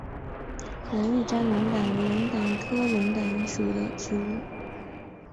蓝玉簪龙胆为龙胆科龙胆属的植物。